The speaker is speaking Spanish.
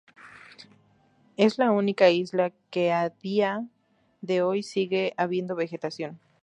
Es la única isla que a día de hoy sigue habiendo vegetación.